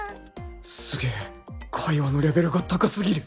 すげえ会話のレベルが高すぎる